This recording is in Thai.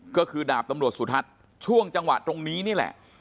ก็คือดาบตำรวจสุทัศน์ช่วงจังหวะตรงนี้นี่แหละ